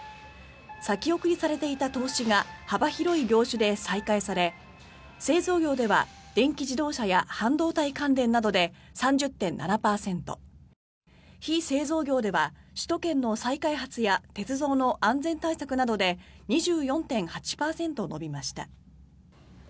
先送りされていた投資が幅広い業種で再開され製造業では、電気自動車や半導体関連などで３０．７％非製造業では首都圏の再開発や鉄道の安全対策などで２４．８％伸びました。